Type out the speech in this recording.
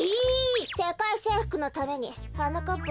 せかいせいふくのためにはなかっぱ